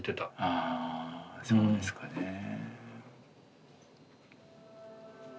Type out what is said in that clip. ああそうですかねえ。